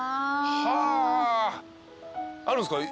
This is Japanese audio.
はぁあるんすか？